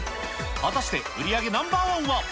果たして売り上げナンバー１は？